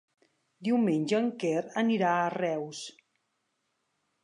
Diumenge en Quer anirà a Reus.